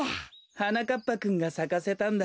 はなかっぱくんがさかせたんだ。